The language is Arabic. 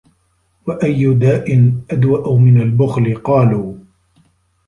وَأَيُّ دَاءٍ أَدْوَأُ مِنْ الْبُخْلِ ؟ قَالُوا